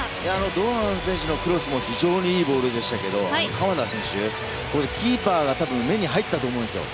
堂安選手のクロスも非常にいいボールでしたが鎌田選手、キーパーが目に入ったと思うんですよ。